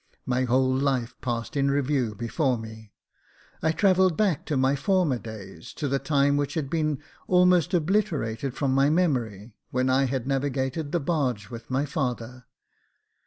My whole life passed in review before me. I travelled back to my former days — to the time which had been almost obliterated from my memory, when I had navigated the barge with my father.